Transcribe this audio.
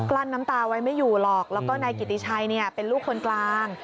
ลั้นน้ำตาไว้ไม่อยู่หรอกแล้วก็นายกิติชัยเป็นลูกคนกลาง